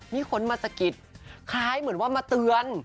มีคนมาสะกิดคล้ายเหมือนว่ามาเตือน